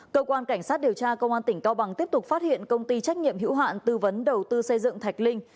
cơ quan cảnh sát điều tra công an tỉnh cao bằng tiếp tục phát hiện công ty trách nhiệm hữu hạn tư vấn đầu tư xây dựng thạch linh